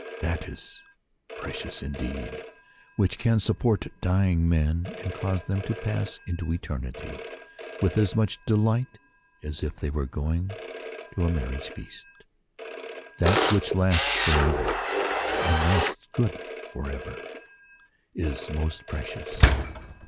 That is precious indeed which can support dying men, and cause them to pass into eternity with as much delight as if they were going to a marriage feast. That which lasts for ever, and lasts good for ever, is most precious.